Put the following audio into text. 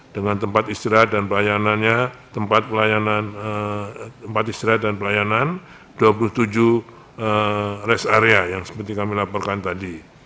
dengan tempat istirahat dan pelayanannya dua puluh tujuh rest area yang seperti kami laporkan tadi